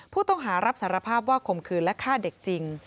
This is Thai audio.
ผู้ต้องหารับสารภาพว่าคมคืนและฆ่าเด็กจริง